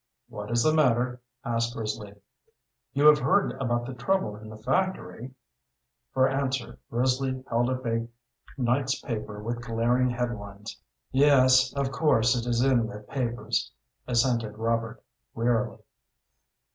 "What is the matter?" asked Risley. "You have heard about the trouble in the factory?" For answer Risley held up a night's paper with glaring head lines. "Yes, of course it is in the papers," assented Robert, wearily.